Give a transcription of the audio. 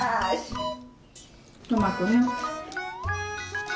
トマトね。